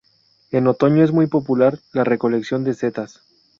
En otoño es muy popular la recolección de setas.